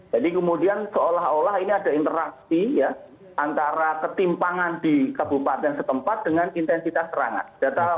jadi kemudian seolah olah ini ada interaksi ya antara ketimpangan di kabupaten setempat dengan intensitas serangan